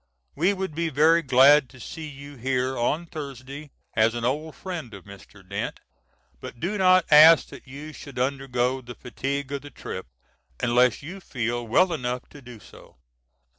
We would be very glad to see you here on Thursday, as an old friend of Mr. Dent, but do not ask that you should undergo the fatigue of the trip unless you feel well enough to do so.